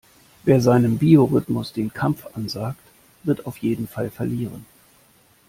Wer seinem Biorhythmus den Kampf ansagt, wird auf jeden Fall verlieren.